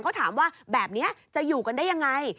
เขาถามว่าแบบนี้จะอยู่กันได้ยังไง